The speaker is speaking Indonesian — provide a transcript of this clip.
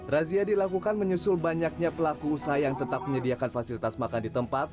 razia dilakukan menyusul banyaknya pelaku usaha yang tetap menyediakan fasilitas makan di tempat